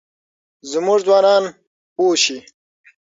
زموږ ځوانان پوه شي.